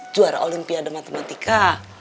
juara olimpiade matematika